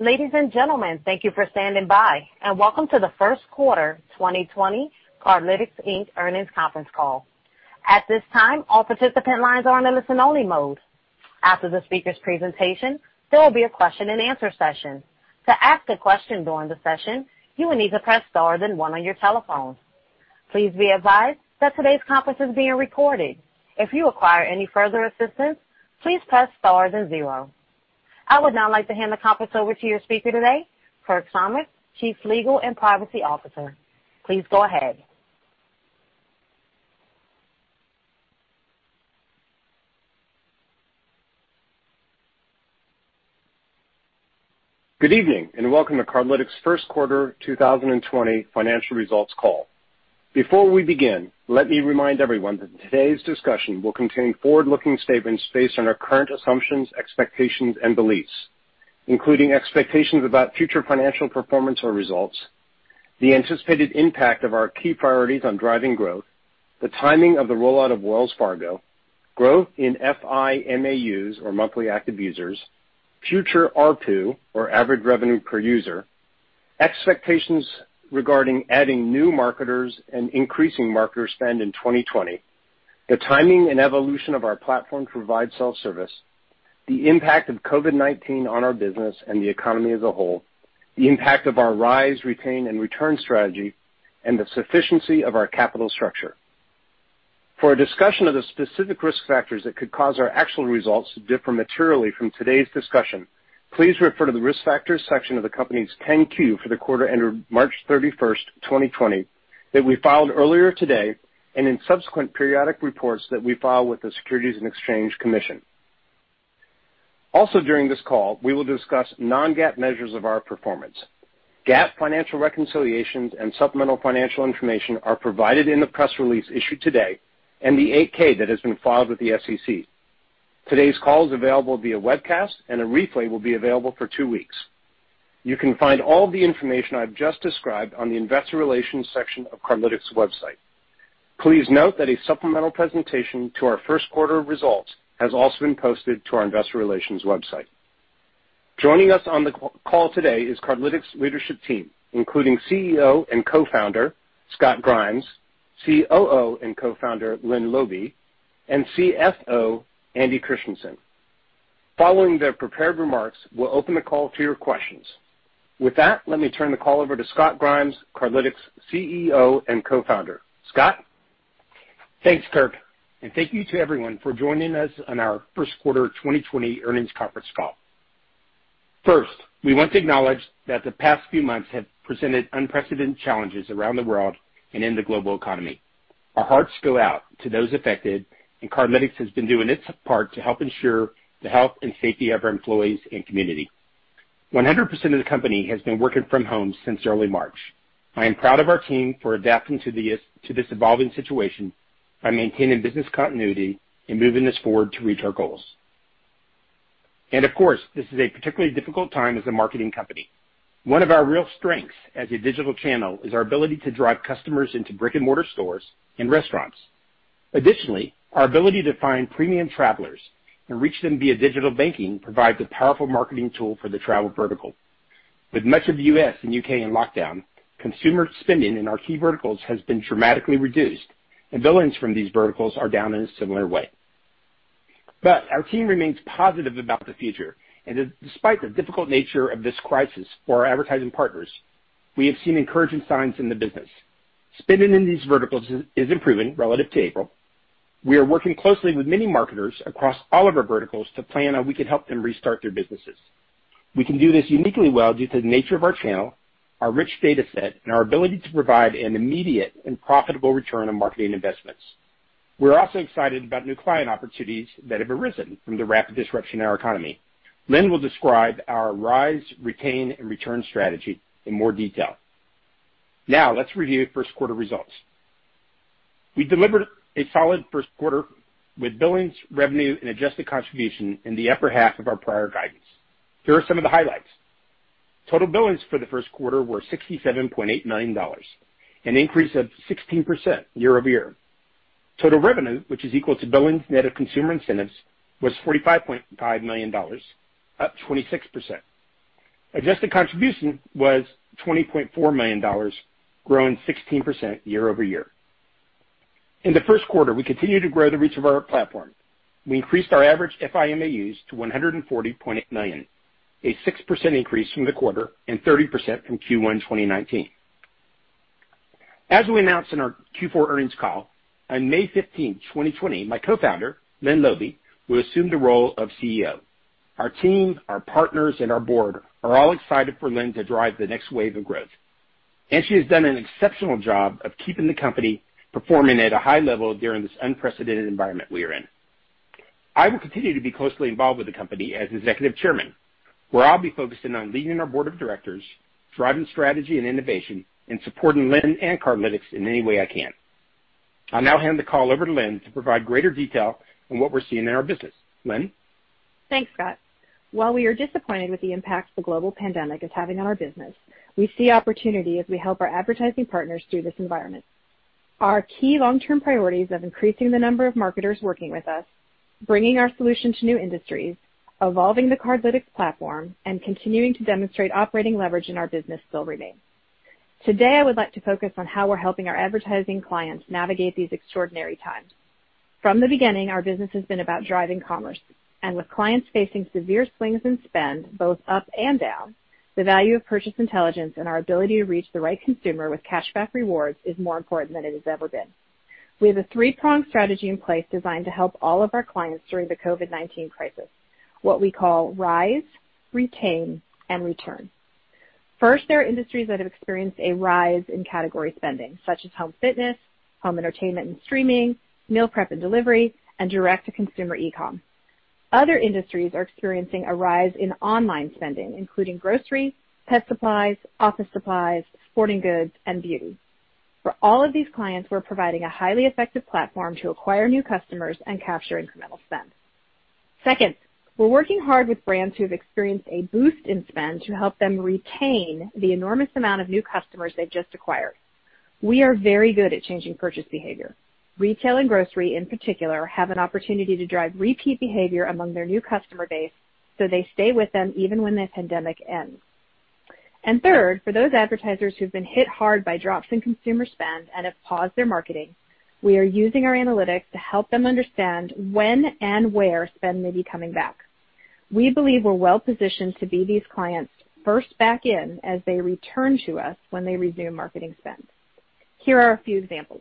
Ladies and gentlemen, thank you for standing by and welcome to the first quarter 2020 Cardlytics, Inc. earnings conference call. At this time, all participant lines are in listen only mode. After the speaker's presentation, there will be a question and answer session. To ask a question during the session, you will need to press star then one on your telephone. Please be advised that today's conference is being recorded. If you require any further assistance, please press star then zero. I would now like to hand the conference over to your speaker today, Kirk Thomas, Chief Legal and Privacy Officer. Please go ahead. Good evening, and welcome to Cardlytics' first quarter 2020 financial results call. Before we begin, let me remind everyone that today's discussion will contain forward-looking statements based on our current assumptions, expectations, and beliefs, including expectations about future financial performance or results, the anticipated impact of our key priorities on driving growth, the timing of the rollout of Wells Fargo, growth in FI MAUs, or financial institution monthly active users, future ARPU, or average revenue per user, expectations regarding adding new marketers and increasing marketer spend in 2020, the timing and evolution of our platform to provide self-service, the impact of COVID-19 on our business and the economy as a whole, the impact of our rise, retain, and return strategy, and the sufficiency of our capital structure. For a discussion of the specific risk factors that could cause our actual results to differ materially from today's discussion, please refer to the Risk Factors section of the company's 10-Q for the quarter ended March 31st, 2020, that we filed earlier today, and in subsequent periodic reports that we file with the Securities and Exchange Commission. During this call, we will discuss non-GAAP measures of our performance. GAAP financial reconciliations and supplemental financial information are provided in the press release issued today and the 8-K that has been filed with the SEC. Today's call is available via webcast, and a replay will be available for two weeks. You can find all the information I've just described on the investor relations section of Cardlytics' website. Please note that a supplemental presentation to our first quarter results has also been posted to our investor relations website. Joining us on the call today is Cardlytics' leadership team, including CEO and Co-founder, Scott Grimes, COO and Co-founder, Lynne Laube, and CFO, Andy Christiansen. Following their prepared remarks, we'll open the call to your questions. With that, let me turn the call over to Scott Grimes, Cardlytics' CEO and Co-founder. Scott? Thanks, Kirk. Thank you to everyone for joining us on our first quarter 2020 earnings conference call. First, we want to acknowledge that the past few months have presented unprecedented challenges around the world and in the global economy. Our hearts go out to those affected, and Cardlytics has been doing its part to help ensure the health and safety of our employees and community. 100% of the company has been working from home since early March. I am proud of our team for adapting to this evolving situation by maintaining business continuity and moving us forward to reach our goals. Of course, this is a particularly difficult time as a marketing company. One of our real strengths as a digital channel is our ability to drive customers into brick and mortar stores and restaurants. Additionally, our ability to find premium travelers and reach them via digital banking provides a powerful marketing tool for the travel vertical. With much of the U.S. and U.K. in lockdown, consumer spending in our key verticals has been dramatically reduced, and billings from these verticals are down in a similar way. Our team remains positive about the future. Despite the difficult nature of this crisis for our advertising partners, we have seen encouraging signs in the business. Spending in these verticals is improving relative to April. We are working closely with many marketers across all of our verticals to plan how we can help them restart their businesses. We can do this uniquely well due to the nature of our channel, our rich data set, and our ability to provide an immediate and profitable return on marketing investments. We're also excited about new client opportunities that have arisen from the rapid disruption in our economy. Lynne will describe our rise, retain, and return strategy in more detail. Now, let's review first quarter results. We delivered a solid first quarter with billings, revenue, and Adjusted Contribution in the upper half of our prior guidance. Here are some of the highlights. Total billings for the first quarter were $67.8 million, an increase of 16% year-over-year. Total revenue, which is equal to billings net of consumer incentives, was $45.5 million, up 26%. Adjusted Contribution was $20.4 million, growing 16% year-over-year. In the first quarter, we continued to grow the reach of our platform. We increased our average FI MAUs to 140.8 million, a 6% increase from the quarter and 30% from Q1 2019. As we announced in our Q4 earnings call, on May 15, 2020, my co-founder, Lynne Laube, will assume the role of CEO. Our team, our partners, and our board are all excited for Lynne to drive the next wave of growth. She has done an exceptional job of keeping the company performing at a high level during this unprecedented environment we are in. I will continue to be closely involved with the company as Executive Chairman, where I'll be focusing on leading our board of directors, driving strategy and innovation, and supporting Lynne and Cardlytics in any way I can. I'll now hand the call over to Lynne to provide greater detail on what we're seeing in our business. Lynne? Thanks, Scott. While we are disappointed with the impact the global pandemic is having on our business, we see opportunity as we help our advertising partners through this environment. Our key long-term priorities of increasing the number of marketers working with us, bringing our solution to new industries, evolving the Cardlytics platform, and continuing to demonstrate operating leverage in our business still remain. Today, I would like to focus on how we're helping our advertising clients navigate these extraordinary times. From the beginning, our business has been about driving commerce. With clients facing severe swings in spend both up and down, the value of purchase intelligence and our ability to reach the right consumer with cashback rewards is more important than it has ever been. We have a three-pronged strategy in place designed to help all of our clients during the COVID-19 crisis. What we call rise, retain, and return. First, there are industries that have experienced a rise in category spending, such as home fitness, home entertainment and streaming, meal prep and delivery, and direct-to-consumer e-commerce. Other industries are experiencing a rise in online spending, including grocery, pet supplies, office supplies, sporting goods, and beauty. For all of these clients, we're providing a highly effective platform to acquire new customers and capture incremental spend. Second, we're working hard with brands who've experienced a boost in spend to help them retain the enormous amount of new customers they've just acquired. We are very good at changing purchase behavior. Retail and grocery in particular, have an opportunity to drive repeat behavior among their new customer base so they stay with them even when the pandemic ends. Third, for those advertisers who've been hit hard by drops in consumer spend and have paused their marketing, we are using our analytics to help them understand when and where spend may be coming back. We believe we're well-positioned to be these clients first back in as they return to us when they resume marketing spend. Here are a few examples.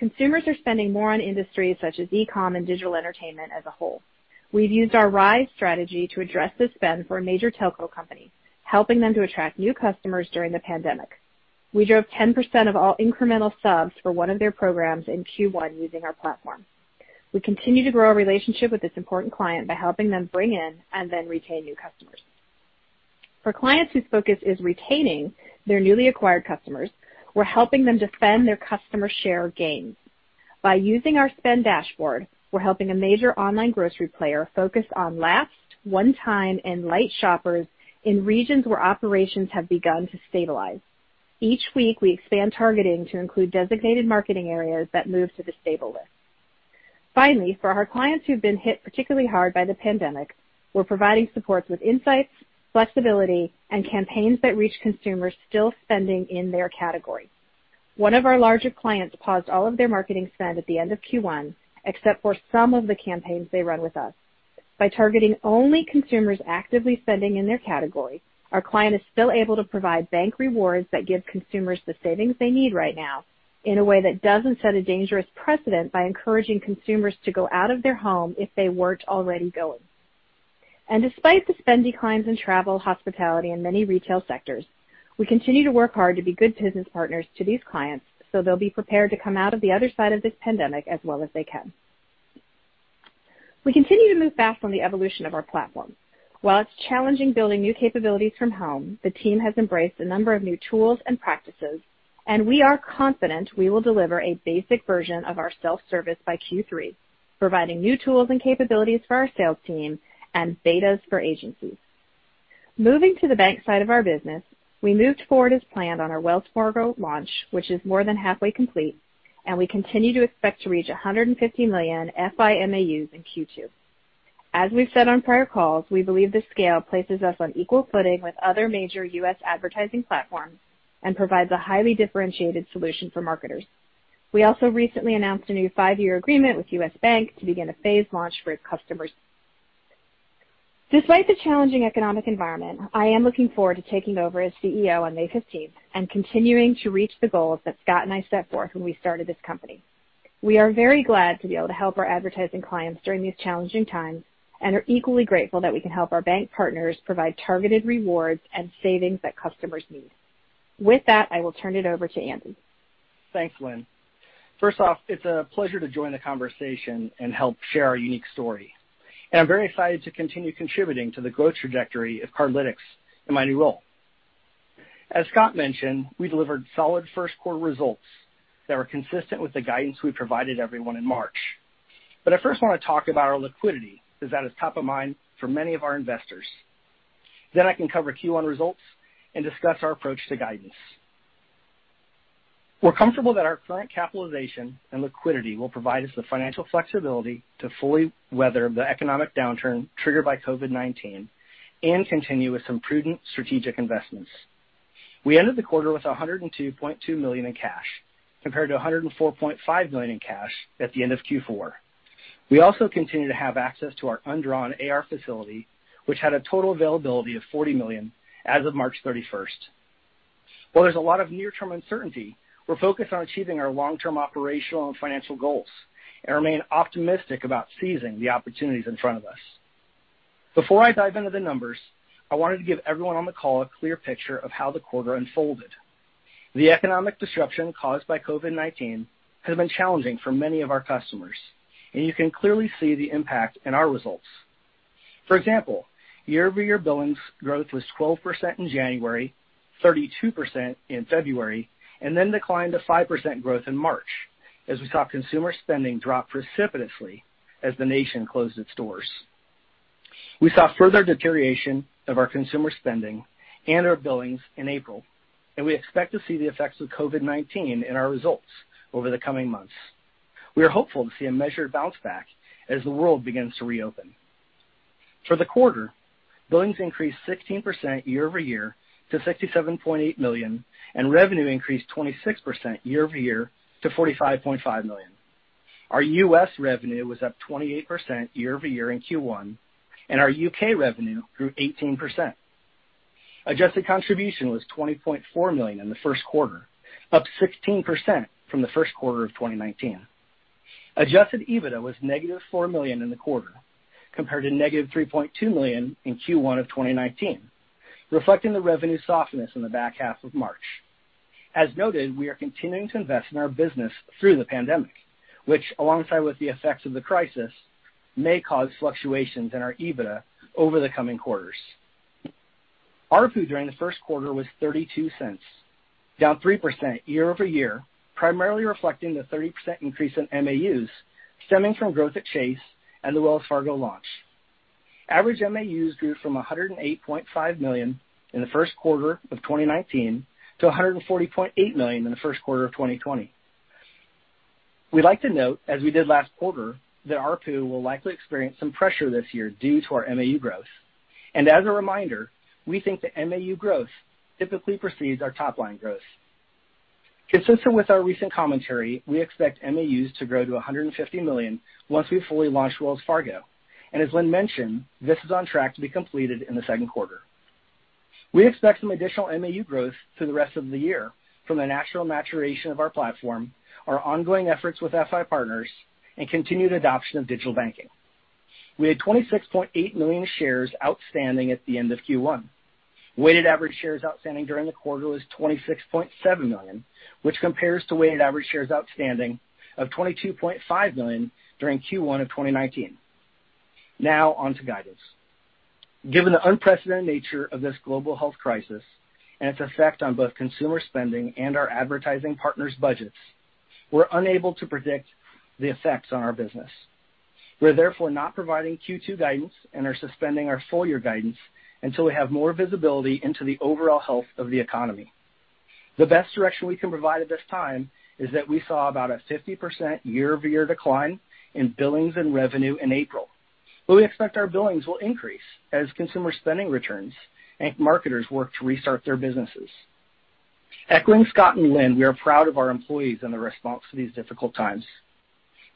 Consumers are spending more on industries such as e-commerce and digital entertainment as a whole. We've used our rise strategy to address the spend for a major telco company, helping them to attract new customers during the pandemic. We drove 10% of all incremental subs for one of their programs in Q1 using our platform. We continue to grow our relationship with this important client by helping them bring in and then retain new customers. For clients whose focus is retaining their newly acquired customers, we're helping them defend their customer share gains. By using our spend dashboard, we're helping a major online grocery player focus on last, one time, and light shoppers in regions where operations have begun to stabilize. Each week, we expand targeting to include Designated Market Areas that move to the stable list. Finally, for our clients who've been hit particularly hard by the pandemic, we're providing supports with insights, flexibility, and campaigns that reach consumers still spending in their category. One of our larger clients paused all of their marketing spend at the end of Q1, except for some of the campaigns they run with us. By targeting only consumers actively spending in their category, our client is still able to provide bank rewards that give consumers the savings they need right now in a way that doesn't set a dangerous precedent by encouraging consumers to go out of their home if they weren't already going. Despite the spend declines in travel, hospitality, and many retail sectors, we continue to work hard to be good business partners to these clients, so they'll be prepared to come out of the other side of this pandemic as well as they can. We continue to move fast on the evolution of our platform. While it's challenging building new capabilities from home, the team has embraced a number of new tools and practices, and we are confident we will deliver a basic version of our self-service by Q3, providing new tools and capabilities for our sales team and betas for agencies. Moving to the bank side of our business, we moved forward as planned on our Wells Fargo launch, which is more than halfway complete, and we continue to expect to reach 150 million FI MAUs in Q2. As we've said on prior calls, we believe this scale places us on equal footing with other major U.S. advertising platforms and provides a highly differentiated solution for marketers. We also recently announced a new five-year agreement with U.S. Bank to begin a phased launch for its customers. Despite the challenging economic environment, I am looking forward to taking over as CEO on May 15th and continuing to reach the goals that Scott and I set forth when we started this company. We are very glad to be able to help our advertising clients during these challenging times, and are equally grateful that we can help our bank partners provide targeted rewards and savings that customers need. With that, I will turn it over to Andy. Thanks, Lynne. First off, it's a pleasure to join the conversation and help share our unique story. I'm very excited to continue contributing to the growth trajectory of Cardlytics in my new role. As Scott mentioned, we delivered solid first quarter results that were consistent with the guidance we provided everyone in March. I first want to talk about our liquidity, because that is top of mind for many of our investors. I can cover Q1 results and discuss our approach to guidance. We're comfortable that our current capitalization and liquidity will provide us the financial flexibility to fully weather the economic downturn triggered by COVID-19 and continue with some prudent strategic investments. We ended the quarter with $102.2 million in cash, compared to $104.5 million in cash at the end of Q4. We also continue to have access to our undrawn AR facility, which had a total availability of $40 million as of March 31st. While there's a lot of near-term uncertainty, we're focused on achieving our long-term operational and financial goals and remain optimistic about seizing the opportunities in front of us. Before I dive into the numbers, I wanted to give everyone on the call a clear picture of how the quarter unfolded. The economic disruption caused by COVID-19 has been challenging for many of our customers, and you can clearly see the impact in our results. For example, year-over-year billings growth was 12% in January, 32% in February, and then declined to 5% growth in March as we saw consumer spending drop precipitously as the nation closed its doors. We saw further deterioration of our consumer spending and our billings in April, and we expect to see the effects of COVID-19 in our results over the coming months. We are hopeful to see a measured bounce back as the world begins to reopen. For the quarter, billings increased 16% year-over-year to $67.8 million, and revenue increased 26% year-over-year to $45.5 million. Our U.S. revenue was up 28% year-over-year in Q1, and our U.K. revenue grew 18%. Adjusted Contribution was $20.4 million in the first quarter, up 16% from the first quarter of 2019. Adjusted EBITDA was negative $4 million in the quarter, compared to negative $3.2 million in Q1 of 2019, reflecting the revenue softness in the back half of March. As noted, we are continuing to invest in our business through the pandemic, which, alongside with the effects of the crisis, may cause fluctuations in our EBITDA over the coming quarters. ARPU during the first quarter was $0.32, down 3% year-over-year, primarily reflecting the 30% increase in MAUs stemming from growth at Chase and the Wells Fargo launch. Average MAUs grew from 108.5 million in the first quarter of 2019 to 140.8 million in the first quarter of 2020. We'd like to note, as we did last quarter, that ARPU will likely experience some pressure this year due to our MAU growth. As a reminder, we think that MAU growth typically precedes our top-line growth. Consistent with our recent commentary, we expect MAUs to grow to 150 million once we fully launch Wells Fargo. As Lynne mentioned, this is on track to be completed in the second quarter. We expect some additional MAU growth through the rest of the year from the natural maturation of our platform, our ongoing efforts with FI partners, and continued adoption of digital banking. We had 26.8 million shares outstanding at the end of Q1. Weighted average shares outstanding during the quarter was 26.7 million, which compares to weighted average shares outstanding of 22.5 million during Q1 of 2019. Now on to guidance. Given the unprecedented nature of this global health crisis and its effect on both consumer spending and our advertising partners' budgets, we're unable to predict the effects on our business. We're therefore not providing Q2 guidance and are suspending our full-year guidance until we have more visibility into the overall health of the economy. The best direction we can provide at this time is that we saw about a 50% year-over-year decline in billings and revenue in April. We expect our billings will increase as consumer spending returns and marketers work to restart their businesses. Echlin, Scott, and Lynne, we are proud of our employees and the response to these difficult times.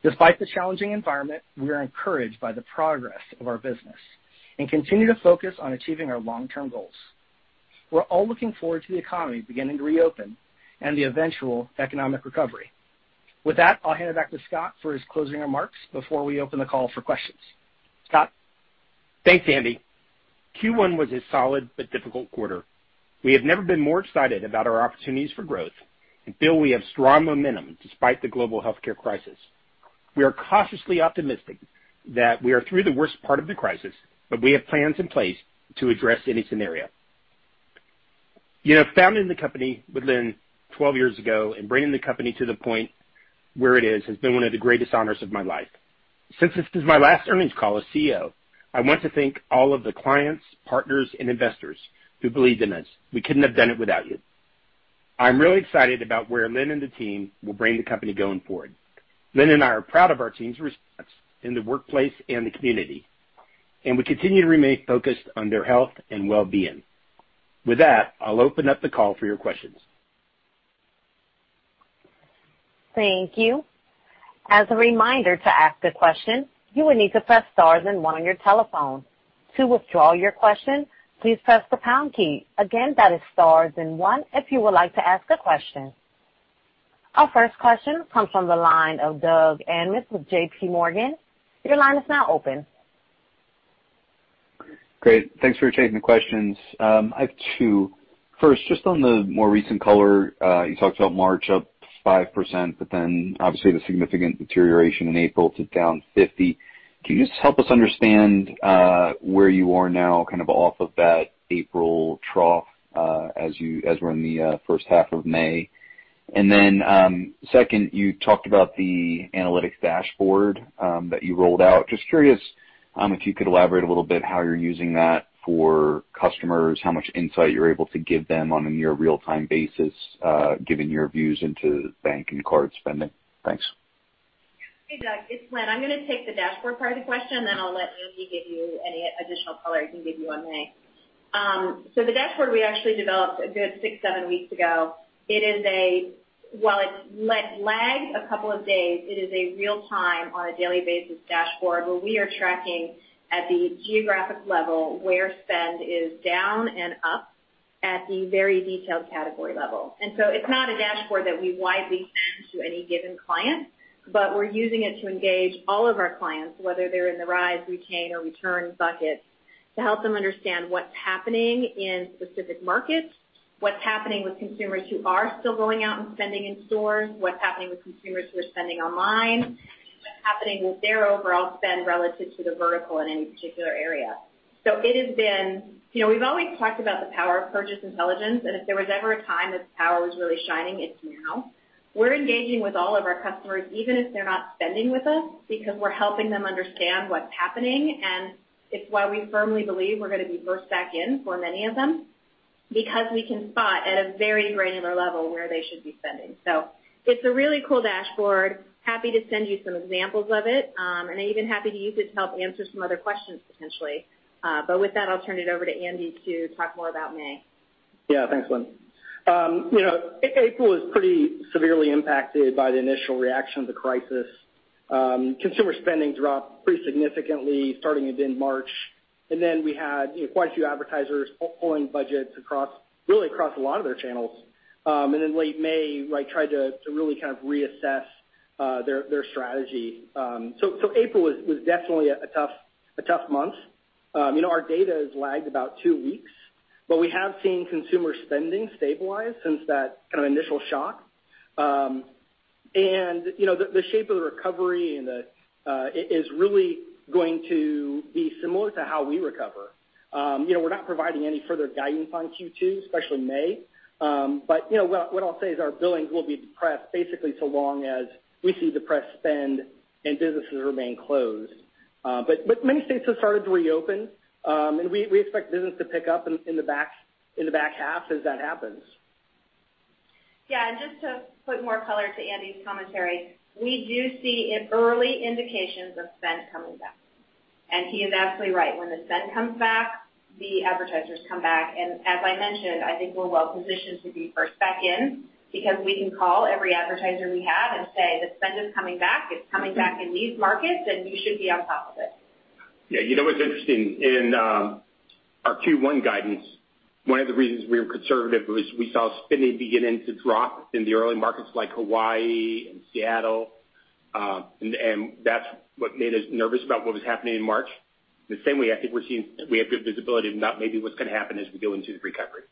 Despite the challenging environment, we are encouraged by the progress of our business and continue to focus on achieving our long-term goals. We're all looking forward to the economy beginning to reopen and the eventual economic recovery. With that, I'll hand it back to Scott for his closing remarks before we open the call for questions. Scott? Thanks, Andy. Q1 was a solid but difficult quarter. We have never been more excited about our opportunities for growth and feel we have strong momentum despite the global healthcare crisis. We are cautiously optimistic that we are through the worst part of the crisis, but we have plans in place to address any scenario. Founding the company with Lynne 12 years ago and bringing the company to the point where it is has been one of the greatest honors of my life. Since this is my last earnings call as CEO, I want to thank all of the clients, partners, and investors who believed in us. We couldn't have done it without you. I'm really excited about where Lynne and the team will bring the company going forward. Lynne and I are proud of our team's response in the workplace and the community, and we continue to remain focused on their health and wellbeing. With that, I'll open up the call for your questions. Thank you. As a reminder, to ask a question, you will need to press star then one on your telephone. To withdraw your question, please press the pound key. Again, that is star then one if you would like to ask a question. Our first question comes from the line of Doug Anmuth with JPMorgan. Your line is now open. Great. Thanks for taking the questions. I have two. First, just on the more recent color, you talked about March up 5%, obviously the significant deterioration in April to down 50. Can you just help us understand where you are now off of that April trough as we're in the first half of May? second, you talked about the analytics dashboard that you rolled out. Just curious if you could elaborate a little bit how you're using that for customers, how much insight you're able to give them on a near real-time basis given your views into bank and card spending. Thanks. Hey, Doug. It's Lynne. I'm going to take the dashboard part of the question, then I'll let Andy give you any additional color he can give you on May. The dashboard we actually developed a good six, seven weeks ago. While it lagged a couple of days, it is a real time on a daily basis dashboard where we are tracking at the geographic level where spend is down and up at the very detailed category level. It's not a dashboard that we widely send to any given client, but we're using it to engage all of our clients, whether they're in the rise, retain, or return buckets, to help them understand what's happening in specific markets, what's happening with consumers who are still going out and spending in stores, what's happening with consumers who are spending online, what's happening with their overall spend relative to the vertical in any particular area. We've always talked about the power of purchase intelligence, and if there was ever a time that the power was really shining, it's now. We're engaging with all of our customers, even if they're not spending with us, because we're helping them understand what's happening, and it's why we firmly believe we're going to be first back in for many of them, because we can spot at a very granular level where they should be spending. It's a really cool dashboard. Happy to send you some examples of it, and even happy to use it to help answer some other questions potentially. With that, I'll turn it over to Andy to talk more about May. Thanks, Lynne. April was pretty severely impacted by the initial reaction of the crisis. Consumer spending dropped pretty significantly starting mid in March, then we had quite a few advertisers pulling budgets really across a lot of their channels. In late May, tried to really kind of reassess their strategy. April was definitely a tough month. Our data has lagged about two weeks, we have seen consumer spending stabilize since that kind of initial shock. The shape of the recovery is really going to be similar to how we recover. We're not providing any further guidance on Q2, especially May. What I'll say is our billings will be depressed basically so long as we see depressed spend and businesses remain closed. Many states have started to reopen, and we expect business to pick up in the back half as that happens. Yeah, just to put more color to Andy's commentary, we do see early indications of spend coming back. He is absolutely right. When the spend comes back, the advertisers come back. As I mentioned, I think we're well positioned to be first back in because we can call every advertiser we have and say, "The spend is coming back. It's coming back in these markets, and you should be on top of it. Yeah, you know what's interesting? In our Q1 guidance, one of the reasons we were conservative was we saw spending beginning to drop in the early markets like Hawaii and Seattle. That's what made us nervous about what was happening in March. The same way I think we have good visibility of now maybe what's going to happen as we go into the recovery.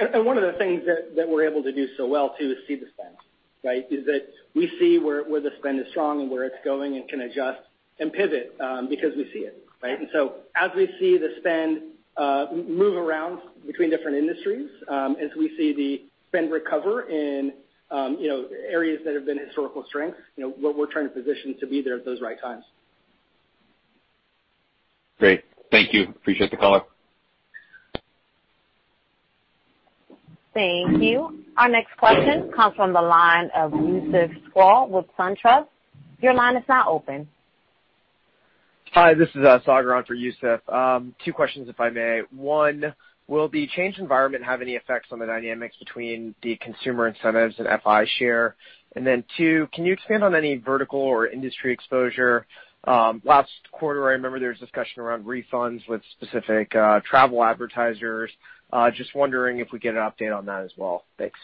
One of the things that we're able to do so well, too, is see the spend. Is that we see where the spend is strong and where it's going and can adjust and pivot because we see it. As we see the spend move around between different industries, as we see the spend recover in areas that have been historical strengths, what we're trying to position to be there at those right times. Great. Thank you. Appreciate the color. Thank you. Our next question comes from the line of Youssef Squali with SunTrust. Your line is now open. Hi, this is Sagar on for Youssef. Two questions if I may. One, will the changed environment have any effects on the dynamics between the consumer incentives and FI share? Two, can you expand on any vertical or industry exposure? Last quarter I remember there was discussion around refunds with specific travel advertisers. Just wondering if we get an update on that as well. Thanks.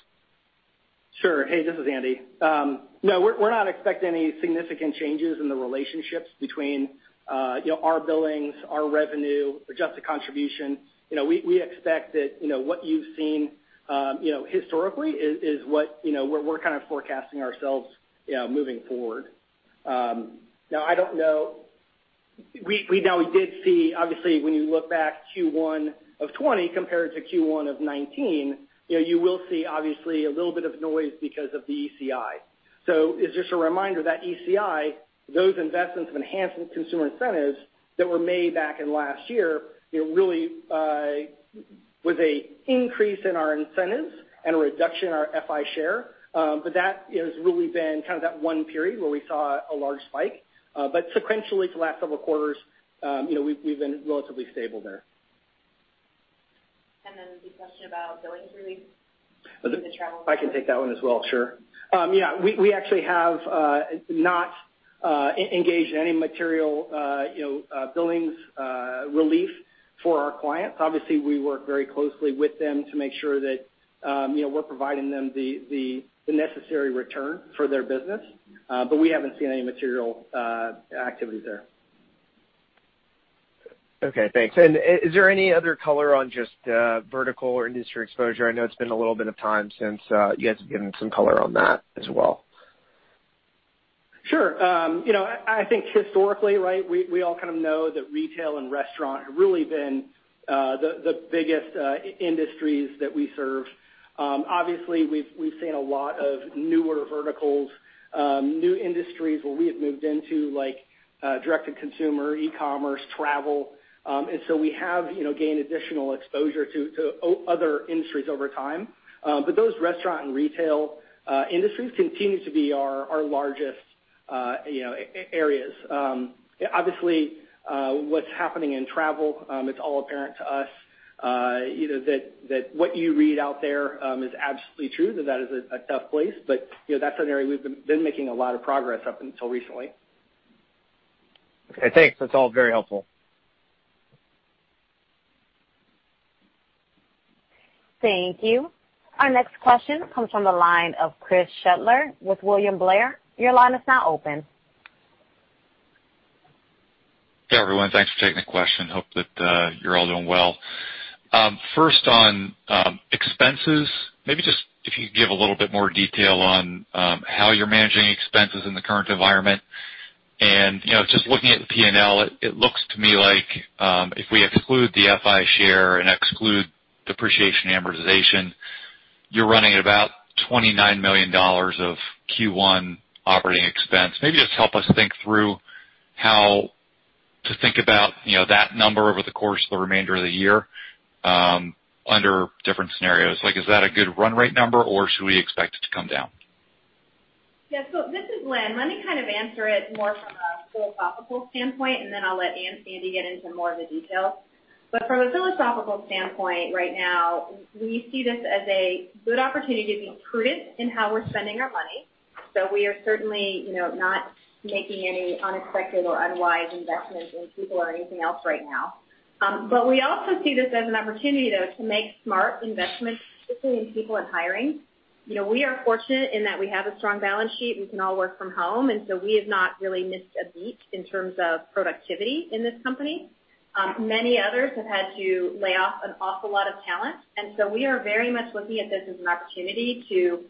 Sure. Hey, this is Andy. We're not expecting any significant changes in the relationships between our billings, our revenue, Adjusted Contribution. We expect that what you've seen historically is what we're kind of forecasting ourselves moving forward. I don't know. Obviously, when you look back Q1 of 2020 compared to Q1 of 2019, you will see obviously a little bit of noise because of the ECI. It's just a reminder that ECI, those investments of enhanced consumer incentives that were made back in last year, really was an increase in our incentives and a reduction in our FI share. That has really been kind of that one period where we saw a large spike. Sequentially for the last several quarters, we've been relatively stable there. Then the question about billings release for the travel. I can take that one as well. Sure. Yeah, we actually have not engaged in any material billings relief for our clients. Obviously, we work very closely with them to make sure that we're providing them the necessary return for their business. We haven't seen any material activity there. Okay, thanks. Is there any other color on just vertical or industry exposure? I know it's been a little bit of time since you guys have given some color on that as well. Sure. I think historically, we all kind of know that retail and restaurant have really been the biggest industries that we serve. Obviously, we've seen a lot of newer verticals, new industries where we have moved into, like direct-to-consumer, e-commerce, travel. We have gained additional exposure to other industries over time. Those restaurant and retail industries continue to be our largest areas. Obviously, what's happening in travel, it's all apparent to us that what you read out there is absolutely true, that is a tough place. That's an area we've been making a lot of progress up until recently. Okay, thanks. That's all very helpful. Thank you. Our next question comes from the line of Chris Shutler with William Blair. Your line is now open. Hey, everyone. Thanks for taking the question. Hope that you're all doing well. First on expenses, maybe just if you could give a little bit more detail on how you're managing expenses in the current environment. Just looking at the P&L, it looks to me like if we exclude the FI share and exclude depreciation amortization, you're running at about $29 million of Q1 operating expense. Maybe just help us think through how to think about that number over the course of the remainder of the year under different scenarios. Is that a good run rate number, or should we expect it to come down? This is Lynne. Let me kind of answer it more from a philosophical standpoint, and then I'll let Andy get into more of the details. From a philosophical standpoint right now, we see this as a good opportunity to be prudent in how we're spending our money. We are certainly not making any unexpected or unwise investments in people or anything else right now. We also see this as an opportunity, though, to make smart investments, specifically in people and hiring. We are fortunate in that we have a strong balance sheet. We can all work from home, and so we have not really missed a beat in terms of productivity in this company. Many others have had to lay off an awful lot of talent. We are very much looking at this as an opportunity to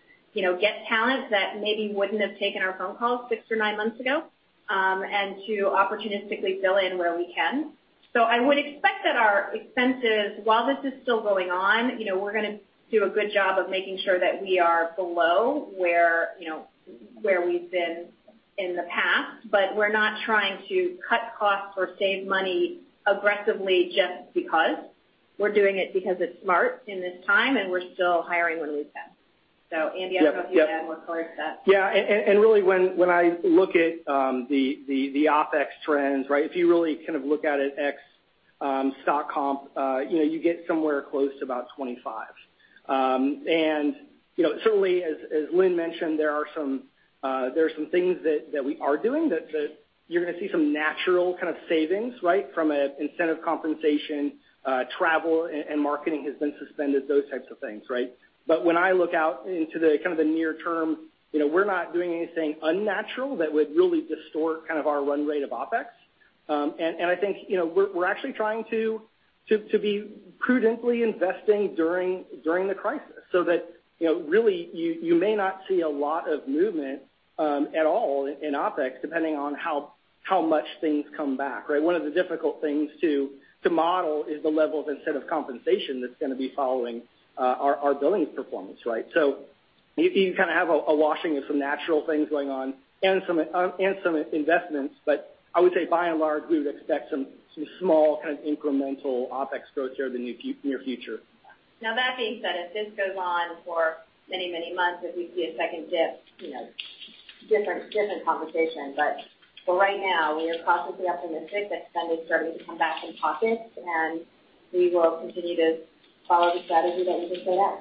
get talent that maybe wouldn't have taken our phone call six or nine months ago, and to opportunistically fill in where we can. I would expect that our expenses, while this is still going on, we're going to do a good job of making sure that we are below where we've been in the past. We're not trying to cut costs or save money aggressively just because. We're doing it because it's smart in this time, and we're still hiring when we can. Andy, I don't know if you want to add more color to that. Yeah. Really, when I look at the OpEx trends, if you really kind of look at it ex stock compensation, you get somewhere close to about 25. Certainly, as Lynne Laube mentioned, there are some things that we are doing that you're going to see some natural kind of savings from an incentive compensation, travel, and marketing has been suspended, those types of things. When I look out into the near term, we're not doing anything unnatural that would really distort our run rate of OpEx. I think we're actually trying to be prudently investing during the crisis so that really, you may not see a lot of movement at all in OpEx, depending on how much things come back. One of the difficult things to model is the level of incentive compensation that's going to be following our billings performance. You kind of have a washing of some natural things going on and some investments. I would say by and large, we would expect some small kind of incremental OpEx growth here in the near future. That being said, if this goes on for many months, if we see a second dip, different conversation. For right now, we are cautiously optimistic that spend is starting to come back in pockets, and we will continue to follow the strategy that we just laid out.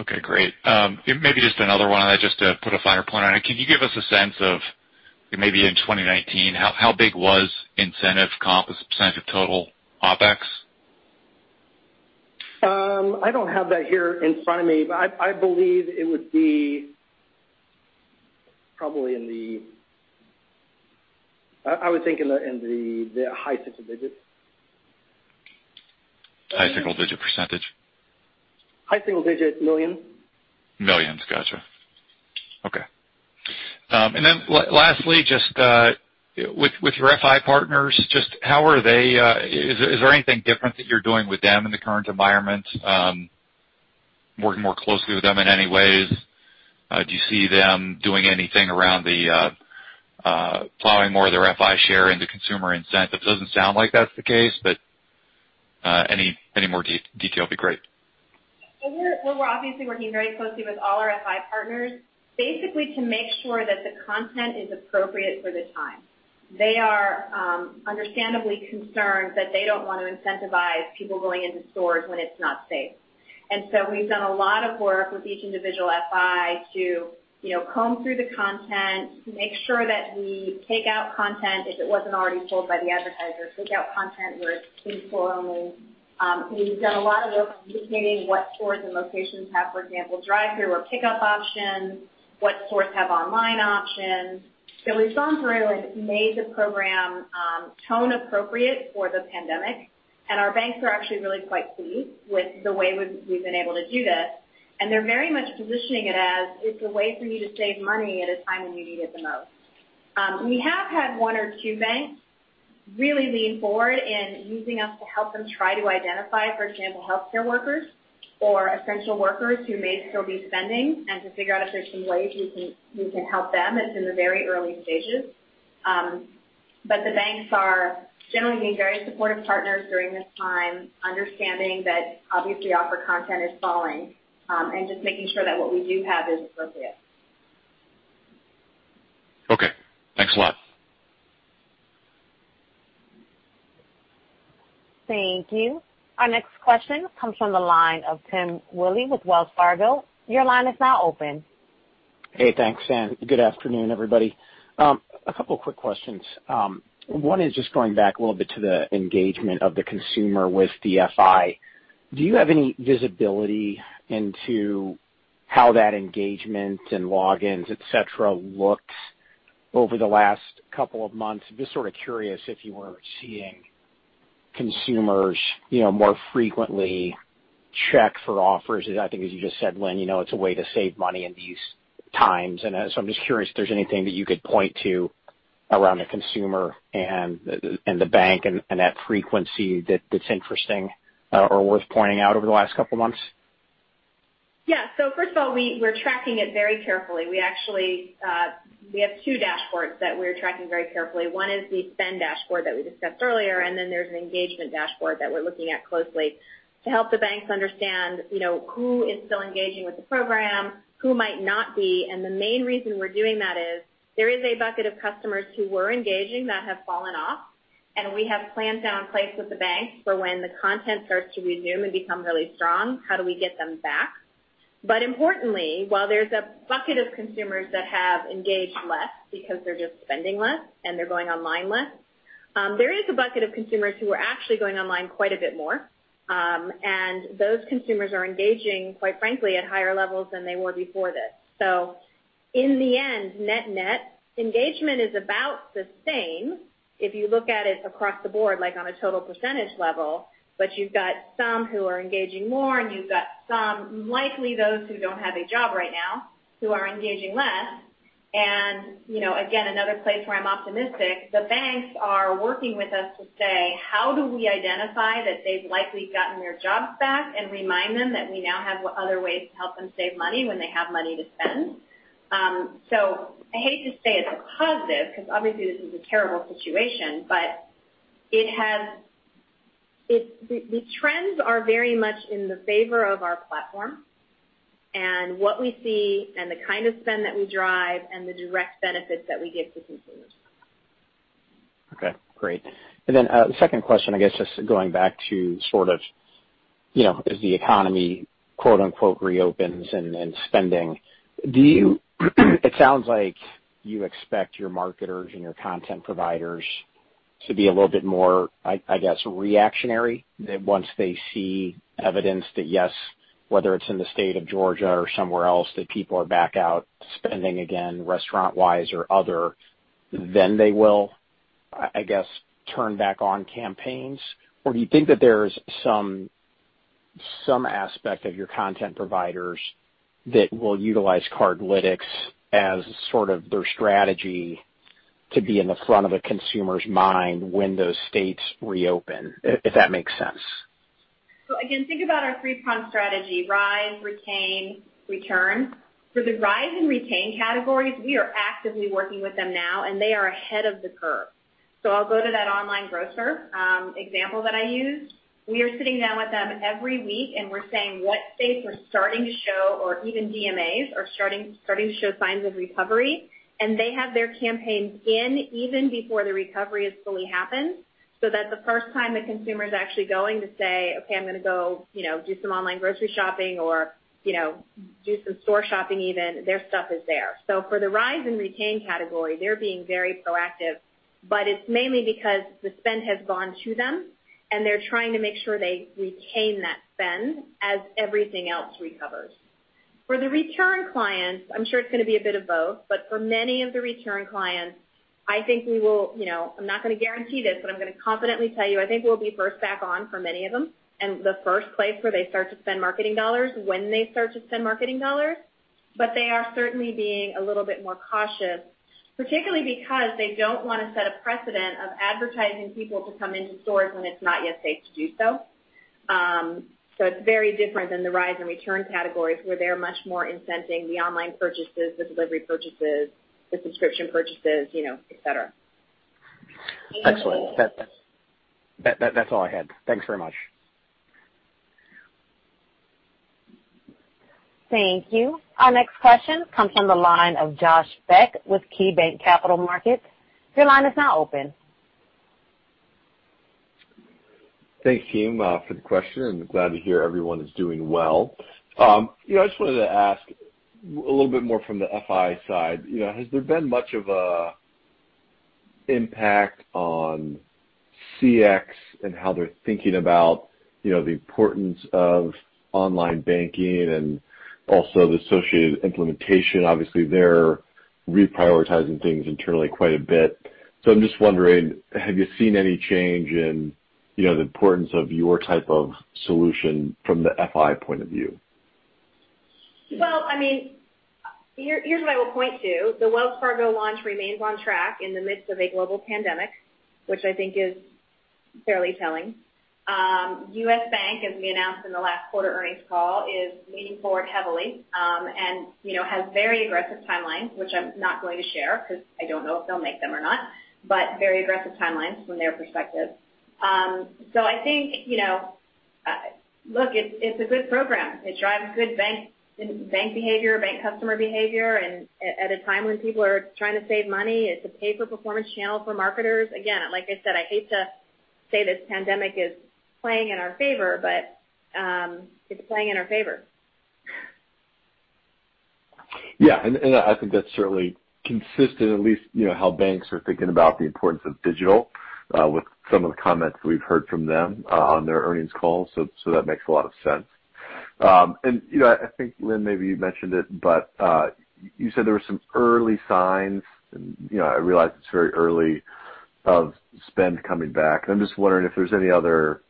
Okay, great. Maybe just another one on that just to put a finer point on it. Can you give us a sense of maybe in 2019, how big was incentive comp as a percentage of total OpEx? I don't have that here in front of me, but I believe it would be I would think in the high single digits. High single digit %? High single digit $ millions. Millions. Got you. Okay. Lastly, just with your FI partners, is there anything different that you're doing with them in the current environment? Working more closely with them in any ways? Do you see them doing anything around the plowing more of their FI share into consumer incentive? Doesn't sound like that's the case, but any more detail would be great. We're obviously working very closely with all our FI partners, basically to make sure that the content is appropriate for the time. They are understandably concerned that they don't want to incentivize people going into stores when it's not safe. We've done a lot of work with each individual FI to comb through the content to make sure that we take out content if it wasn't already sold by the advertisers, take out content where it's in-store only. We've done a lot of work on communicating what stores and locations have, for example, drive-through or pickup options, what stores have online options. We've gone through and made the program tone appropriate for the pandemic, and our banks are actually really quite pleased with the way we've been able to do this. They're very much positioning it as it's a way for you to save money at a time when you need it the most. We have had one or two banks really lean forward in using us to help them try to identify, for example, healthcare workers or essential workers who may still be spending, and to figure out if there's some ways we can help them. It's in the very early stages. The banks are generally being very supportive partners during this time, understanding that obviously offer content is falling, and just making sure that what we do have is appropriate. Okay. Thanks a lot. Thank you. Our next question comes from the line of Timothy Willi with Wells Fargo. Your line is now open. Hey, thanks, Anne. Good afternoon, everybody. A couple quick questions. One is just going back a little bit to the engagement of the consumer with the FI. Do you have any visibility into how that engagement and logins, et cetera, looked over the last couple of months, just sort of curious if you were seeing consumers more frequently check for offers. I think as you just said, Lynne, it's a way to save money in these times. So I'm just curious if there's anything that you could point to around the consumer and the bank and that frequency that's interesting or worth pointing out over the last couple of months. Yeah. First of all, we're tracking it very carefully. We have two dashboards that we're tracking very carefully. One is the spend dashboard that we discussed earlier. There's an engagement dashboard that we're looking at closely to help the banks understand who is still engaging with the program, who might not be. The main reason we're doing that is there is a bucket of customers who were engaging that have fallen off, and we have plans now in place with the banks for when the content starts to resume and become really strong, how do we get them back? Importantly, while there's a bucket of consumers that have engaged less because they're just spending less and they're going online less, there is a bucket of consumers who are actually going online quite a bit more. Those consumers are engaging, quite frankly, at higher levels than they were before this. In the end, net engagement is about the same if you look at it across the board, like on a total % level. You've got some who are engaging more, and you've got some, likely those who don't have a job right now, who are engaging less. Again, another place where I'm optimistic, the banks are working with us to say, how do we identify that they've likely gotten their jobs back and remind them that we now have other ways to help them save money when they have money to spend? I hate to say it's a positive because obviously this is a terrible situation, but the trends are very much in the favor of our platform and what we see and the kind of spend that we drive and the direct benefits that we give to consumers. Okay, great. Then the second question, I guess, just going back to as the economy, quote unquote, reopens and spending. It sounds like you expect your marketers and your content providers to be a little bit more, I guess, reactionary that once they see evidence that, yes, whether it's in the state of Georgia or somewhere else, that people are back out spending again restaurant-wise or other, then they will, I guess, turn back on campaigns. Do you think that there's some aspect of your content providers that will utilize Cardlytics as sort of their strategy to be in the front of a consumer's mind when those states reopen? If that makes sense. Again, think about our three-prong strategy: rise, retain, return. For the rise and retain categories, we are actively working with them now, and they are ahead of the curve. I'll go to that online grocer example that I used. We are sitting down with them every week, and we're saying what states are starting to show, or even DMAs are starting to show signs of recovery. They have their campaigns in even before the recovery has fully happened. That the first time the consumer is actually going to say, "Okay, I'm going to go do some online grocery shopping or do some store shopping even," their stuff is there. For the rise and retain category, they're being very proactive, but it's mainly because the spend has gone to them, and they're trying to make sure they retain that spend as everything else recovers. For the return clients, I'm sure it's going to be a bit of both, for many of the return clients, I'm not going to guarantee this, but I'm going to confidently tell you I think we'll be first back on for many of them. The first place where they start to spend marketing dollars when they start to spend marketing dollars. They are certainly being a little bit more cautious, particularly because they don't want to set a precedent of advertising people to come into stores when it's not yet safe to do so. It's very different than the rise and return categories, where they're much more incenting the online purchases, the delivery purchases, the subscription purchases, et cetera. Excellent. That's all I had. Thanks very much. Thank you. Our next question comes from the line of Josh Beck with KeyBanc Capital Markets. Your line is now open. Thanks, team, for the question. I'm glad to hear everyone is doing well. I just wanted to ask a little bit more from the FI side. Has there been much of an impact on CX and how they're thinking about the importance of online banking and also the associated implementation? Obviously, they're reprioritizing things internally quite a bit. I'm just wondering, have you seen any change in the importance of your type of solution from the FI point of view? Well, here's what I will point to. The Wells Fargo launch remains on track in the midst of a global pandemic, which I think is fairly telling. U.S. Bank, as we announced in the last quarter earnings call, is leaning forward heavily and has very aggressive timelines, which I'm not going to share because I don't know if they'll make them or not, but very aggressive timelines from their perspective. I think, look, it's a good program. It drives good bank behavior, bank customer behavior. At a time when people are trying to save money, it's a pay-for-performance channel for marketers. Again, like I said, I hate to say this pandemic is playing in our favor, but it's playing in our favor. Yeah. I think that's certainly consistent, at least how banks are thinking about the importance of digital with some of the comments we've heard from them on their earnings calls. That makes a lot of sense. I think Lynne, maybe you mentioned it, but you said there were some early signs, and I realize it's very early, of spend coming back. I'm just wondering if there's any other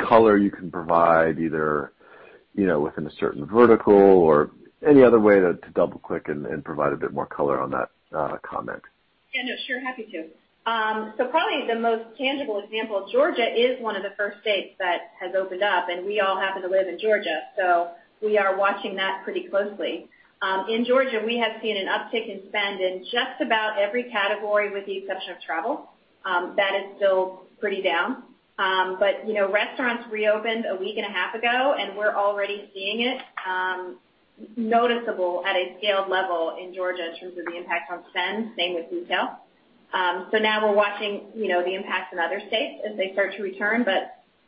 color you can provide, either within a certain vertical or any other way to double-click and provide a bit more color on that comment. Sure. Happy to. Probably the most tangible example, Georgia is one of the first states that has opened up, and we all happen to live in Georgia, we are watching that pretty closely. In Georgia, we have seen an uptick in spend in just about every category, with the exception of travel. That is still pretty down. Restaurants reopened a week and a half ago, and we're already seeing it noticeable at a scaled level in Georgia in terms of the impact on spend, same with retail. Now we're watching the impact in other states as they start to return.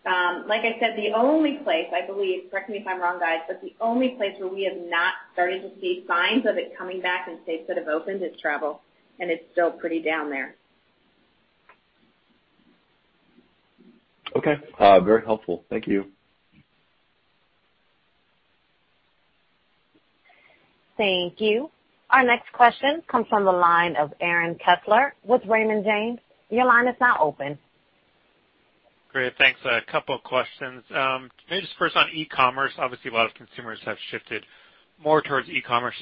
Like I said, the only place I believe, correct me if I'm wrong, guys, the only place where we have not started to see signs of it coming back in states that have opened is travel, and it's still pretty down there. Okay. Very helpful. Thank you. Thank you. Our next question comes from the line of Aaron Kessler with Raymond James. Your line is now open. Great. Thanks. A couple of questions. First on e-commerce. Obviously, a lot of consumers have shifted more towards e-commerce.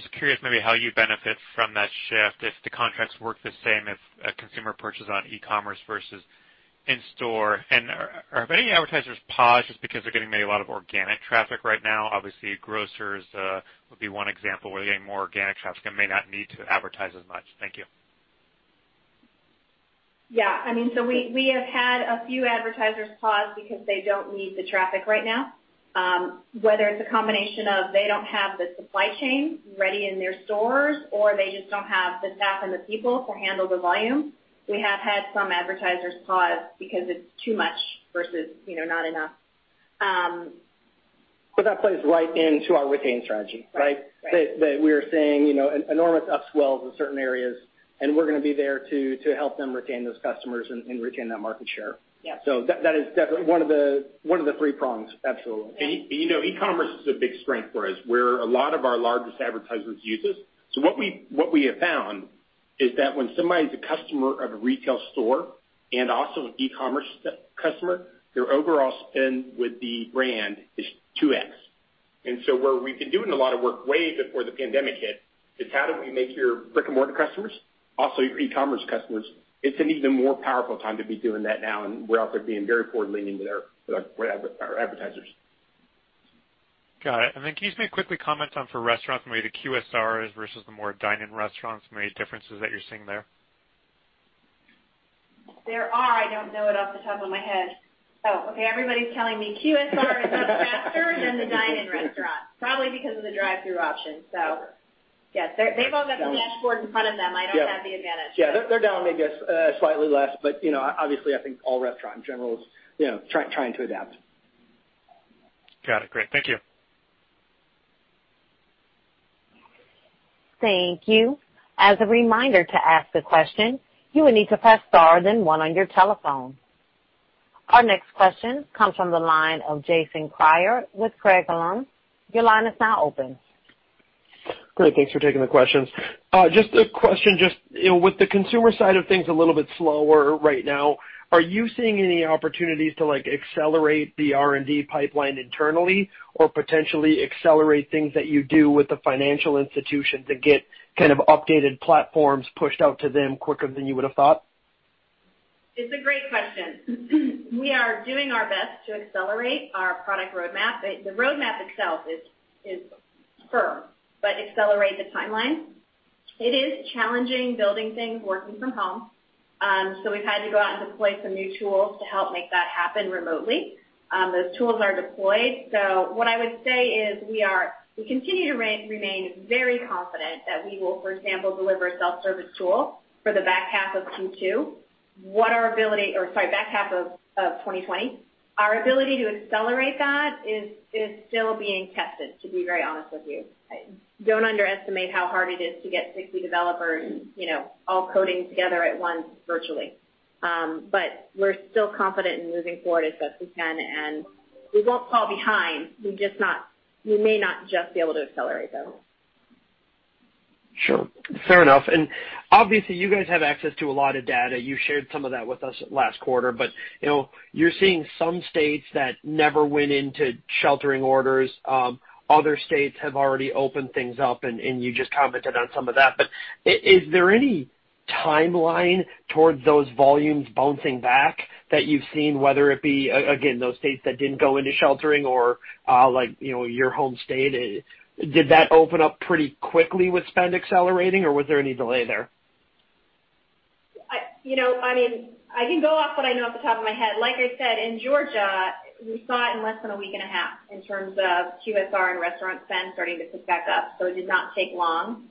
How you benefit from that shift, if the contracts work the same if a consumer purchases on e-commerce versus in-store. Have any advertisers paused just because they're getting maybe a lot of organic traffic right now? Obviously, grocers would be one example where they're getting more organic traffic and may not need to advertise as much. Thank you. Yeah. We have had a few advertisers pause because they don't need the traffic right now. Whether it's a combination of they don't have the supply chain ready in their stores, or they just don't have the staff and the people to handle the volume. We have had some advertisers pause because it's too much versus not enough. That plays right into our retain strategy, right? Right. That we are seeing enormous upswells in certain areas, and we're going to be there to help them retain those customers and retain that market share. Yeah. That is definitely one of the three prongs. Absolutely. E-commerce is a big strength for us. A lot of our largest advertisers use this. What we have found is that when somebody's a customer of a retail store and also an e-commerce customer, their overall spend with the brand is 2x. Where we've been doing a lot of work way before the pandemic hit, is how do we make your brick-and-mortar customers also your e-commerce customers? It's an even more powerful time to be doing that now, and we're out there being very forward-leaning with our advertisers. Got it. Can you maybe quickly comment on for restaurants, maybe the QSRs versus the more dine-in restaurants, maybe differences that you're seeing there? There are. I don't know it off the top of my head. Okay, everybody's telling me QSR is up faster than the dine-in restaurants, probably because of the drive-thru option. Yes. They've all got the dashboard in front of them. I don't have the advantage. Yeah. They're down maybe slightly less, but obviously, I think all restaurants in general is trying to adapt. Got it. Great. Thank you. Thank you. As a reminder, to ask a question, you will need to press star then one on your telephone. Our next question comes from the line of Jason Kreyer with Craig-Hallum. Your line is now open. Great. Thanks for taking the questions. Just a question. With the consumer side of things a little bit slower right now, are you seeing any opportunities to accelerate the R&D pipeline internally or potentially accelerate things that you do with the financial institution to get kind of updated platforms pushed out to them quicker than you would've thought? It's a great question. We are doing our best to accelerate our product roadmap. The roadmap itself is firm, accelerate the timeline. It is challenging building things working from home. We've had to go out and deploy some new tools to help make that happen remotely. Those tools are deployed. What I would say is we continue to remain very confident that we will, for example, deliver a self-service tool for the back half of Q2, or, sorry, back half of 2020. Our ability to accelerate that is still being tested, to be very honest with you. Don't underestimate how hard it is to get 60 developers all coding together at once virtually. We're still confident in moving forward as best we can, and we won't fall behind. We may not just be able to accelerate, though. Sure. Fair enough. Obviously, you guys have access to a lot of data. You shared some of that with us last quarter. You're seeing some states that never went into sheltering orders. Other states have already opened things up, and you just commented on some of that. Is there any timeline towards those volumes bouncing back that you've seen, whether it be, again, those states that didn't go into sheltering or your home state? Did that open up pretty quickly with spend accelerating, or was there any delay there? I can go off what I know off the top of my head. Like I said, in Georgia, we saw it in less than a week and a half in terms of QSR and restaurant spend starting to tick back up. It did not take long.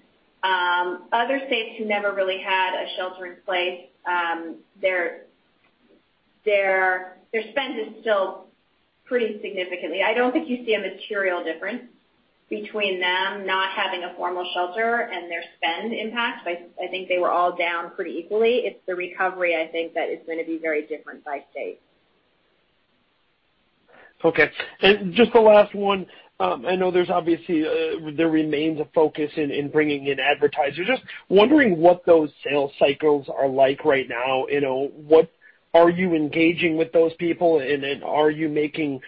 Other states who never really had a shelter in place, their spend is still pretty significantly. I don't think you see a material difference between them not having a formal shelter and their spend impact, I think they were all down pretty equally. It's the recovery, I think that is going to be very different by state. Okay. Just the last one. I know there remains a focus in bringing in advertisers. Just wondering what those sales cycles are like right now. Are you engaging with those people and then are you making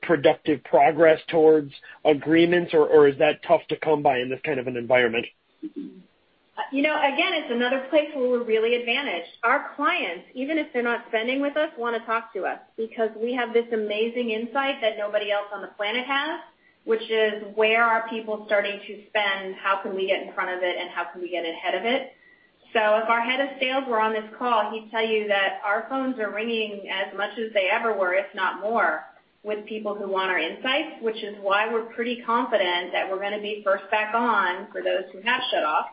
productive progress towards agreements, or is that tough to come by in this kind of an environment? It's another place where we're really advantaged. Our clients, even if they're not spending with us, want to talk to us because we have this amazing insight that nobody else on the planet has, which is where are people starting to spend, how can we get in front of it, and how can we get ahead of it? If our head of sales were on this call, he'd tell you that our phones are ringing as much as they ever were, if not more, with people who want our insights, which is why we're pretty confident that we're going to be first back on for those who have shut off.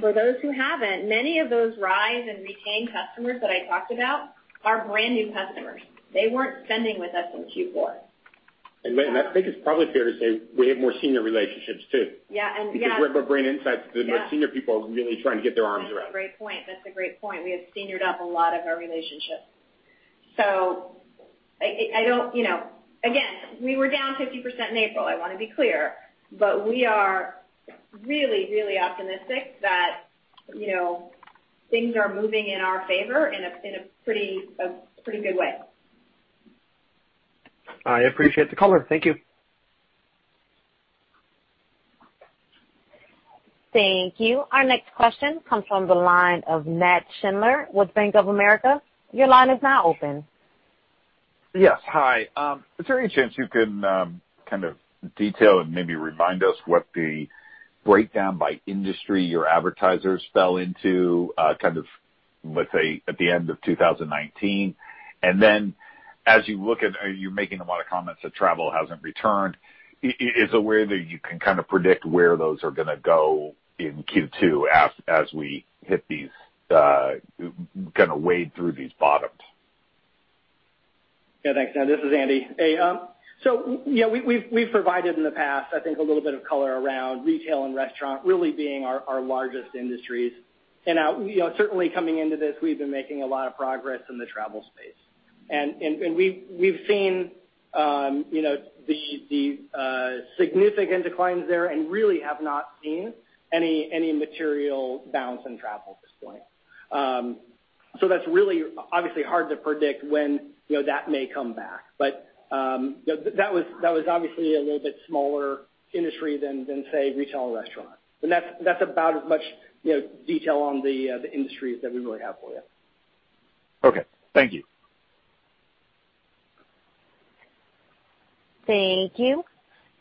For those who haven't, many of those rise and retain customers that I talked about are brand-new customers. They weren't spending with us in Q4. Lynne, I think it's probably fair to say we have more senior relationships, too. Yeah. Because we have a brain insights. Yeah the more senior people are really trying to get their arms around. That's a great point. We have senior-ed up a lot of our relationships. Again, we were down 50% in April, I want to be clear, but we are really, really optimistic that things are moving in our favor in a pretty good way. I appreciate the color. Thank you. Thank you. Our next question comes from the line of Nat Schindler with Bank of America. Your line is now open. Yes. Hi. Is there any chance you can kind of detail and maybe remind us what the breakdown by industry your advertisers fell into, kind of, let's say, at the end of 2019? As you look at, you're making a lot of comments that travel hasn't returned. Is there a way that you can kind of predict where those are going to go in Q2 as we hit these, kind of wade through these bottoms? Yeah, thanks. This is Andy. Hey. Yeah, we've provided in the past, I think, a little bit of color around retail and restaurant really being our largest industries. Certainly coming into this, we've been making a lot of progress in the travel space. We've seen the significant declines there and really have not seen any material bounce in travel at this point. That's really obviously hard to predict when that may come back. That was obviously a little bit smaller industry than, say, retail and restaurant. That's about as much detail on the industries that we really have for you. Okay. Thank you. Thank you.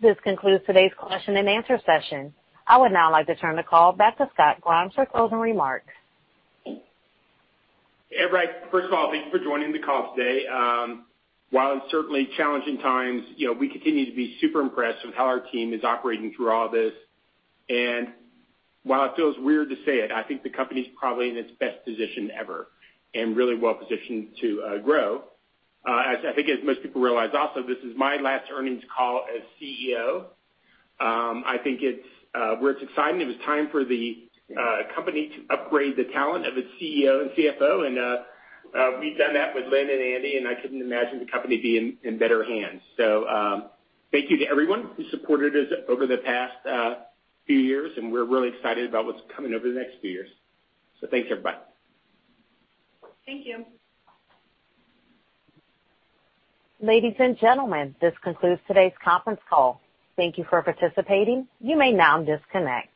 This concludes today's question and answer session. I would now like to turn the call back to Scott Grimes for closing remarks. Hey, everybody. First of all, thank you for joining the call today. While it's certainly challenging times, we continue to be super impressed with how our team is operating through all this. While it feels weird to say it, I think the company's probably in its best position ever and really well-positioned to grow. As I think as most people realize also, this is my last earnings call as CEO. I think where it's exciting, it was time for the company to upgrade the talent of its CEO and CFO. We've done that with Lynne and Andy. I couldn't imagine the company being in better hands. Thank you to everyone who supported us over the past few years. We're really excited about what's coming over the next few years. Thanks, everybody. Thank you. Ladies and gentlemen, this concludes today's conference call. Thank you for participating. You may now disconnect.